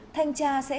thanh tra sẽ